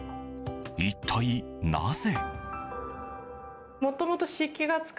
一体、なぜ？